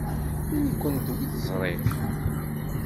Ili-ken d wid ẓriɣ!